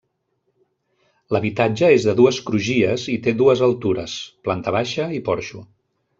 L'habitatge és de dues crugies i té dues altures: planta baixa i porxo.